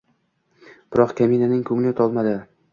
Biroq kaminaning ko’ngli to’lmadi.